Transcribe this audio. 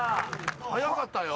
速かったよ。